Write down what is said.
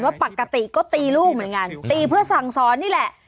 ปกติก็ตีลูกเหมือนกันตีเพื่อสั่งสอนนี่แหละ